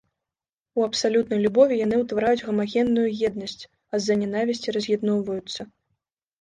У абсалютнай любові яны ўтвараюць гамагенную еднасць, а з-за нянавісці раз'ядноўваюцца.